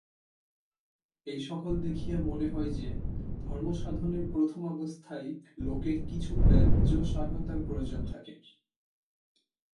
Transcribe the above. এই-সকল দেখিয়া মনে হয় যে, ধর্মসাধনের প্রথমাবস্থায় লোকের কিছু বাহ্য সহায়তার প্রয়োজন থাকে।